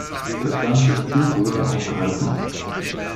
Der Transitzug wurde aufgehalten.